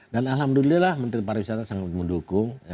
dan alhamdulillah menteri pariwisata sangat mendukung